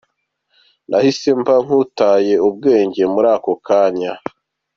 Nahise mba nkutaye ubwenge muri ako kanya.